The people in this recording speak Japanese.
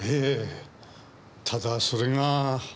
ただそれが。